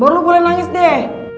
baru boleh nangis deh